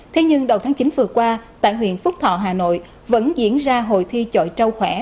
thế nhưng đầu tháng chín vừa qua tại huyện phúc thọ hà nội vẫn diễn ra hội thi chậu trâu khỏe